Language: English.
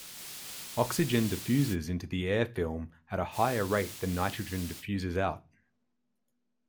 Oxygen diffuses into the air film at a higher rate than nitrogen diffuses out.